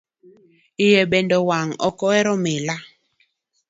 Iye bende wang' ok ohero mila.